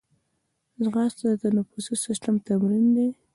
ځغاسته د تنفسي سیستم تمرین دی